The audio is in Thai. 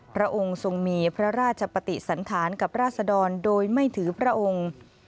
พระองค์ทรงมีพระราชปฏิสันธารกับราศดรโดยไม่ถือพระองค์